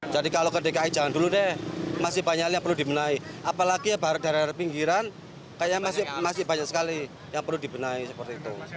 jadi kalau ke dki jangan dulu deh masih banyak yang perlu dibenahi apalagi ya dari pinggiran kayaknya masih banyak sekali yang perlu dibenahi seperti itu